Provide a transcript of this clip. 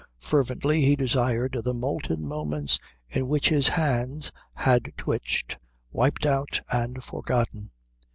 Fervently he desired the molten moments in which his hands had twitched, wiped out, and forgotten.